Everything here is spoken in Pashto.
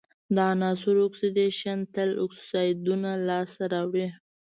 د عنصرونو اکسیدیشن تل اکسایدونه لاسته راوړي.